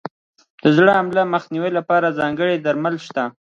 د زړه حملې مخنیوي لپاره ځانګړي درمل شته.